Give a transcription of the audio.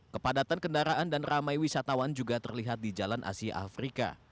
kepadatan kendaraan dan ramai wisatawan juga terlihat di jalan asia afrika